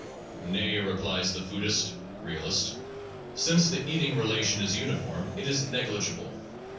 Nay, replies the foodist (realist) : Since the eating relation is uniform, it is negligible.